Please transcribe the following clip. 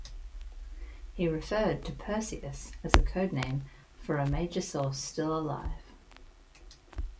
He referred to "Perseus" as a code name for a major source still alive.